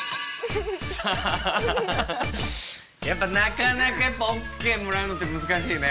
さあやっぱなかなかＯＫもらうのって難しいね。